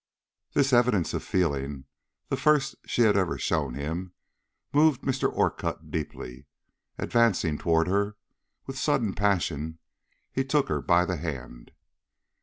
This evidence of feeling, the first she had ever shown him, moved Mr. Orcutt deeply. Advancing toward her, with sudden passion, he took her by the hand.